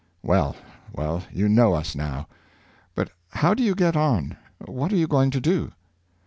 " Well, well, you know us now. But how do you get on — what are you going to do.